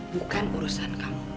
bukan urusan kamu